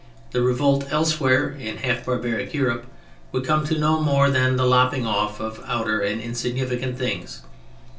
The Revolt elsewhere—in half barbaric Europe—would come to no more than the lopping off of outer and insignificant things.